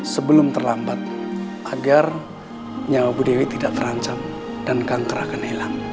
sebelum terlambat agar nyawa bu dewi tidak terancam dan kanker akan hilang